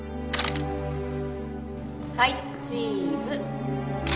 はいチーズ。